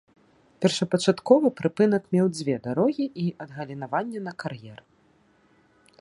Першапачаткова прыпынак меў дзве дарогі і адгалінаванне на кар'ер.